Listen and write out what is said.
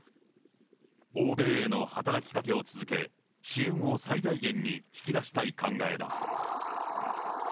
欧米への働きかけを続け、支援を最大限に引き出したい考えだ。